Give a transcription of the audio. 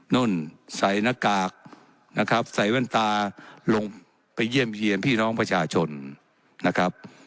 นั่นใส่หน้ากากใส่แว่นตาลงไปเยี่ยมพี่น้องประชาชนนะครับ